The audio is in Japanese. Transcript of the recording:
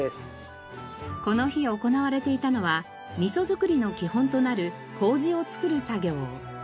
この日行われていたのはみそづくりの基本となるこうじを作る作業。